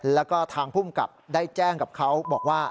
แล้วก็ทางภูมิกับได้แจ้งกับเขาบอกว่า